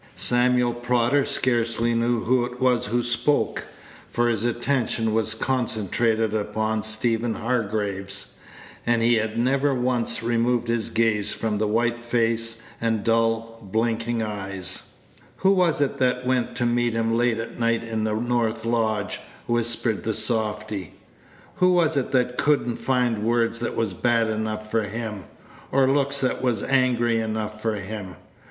Samuel Prodder scarcely knew who it was who spoke, for his attention was concentrated upon Stephen Hargraves; and he never once removed his gaze from the white face, and dull, blinking eyes. "Who was it that went to meet him late at night in the north lodge?" whispered the softy. "Who was it that could n't find words that was bad enough for him, or looks that was angry enough for him?